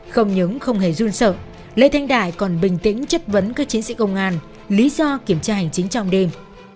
không những không hề run sợ lê thanh đại còn bình tĩnh chất vấn các chiến sĩ công an lý do kiểm tra hành chính trong đêm